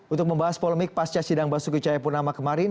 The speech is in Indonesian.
untuk membahas polemik pasca sidang basuki cahayapurnama kemarin